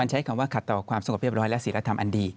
ใช้คำว่าขัดต่อความสงบเรียบร้อยและศิลธรรมอันดี